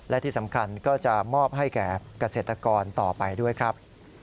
และที่สำคัญก็จะมอบให้แก่เกษตรกรต่อไปด้วยครับ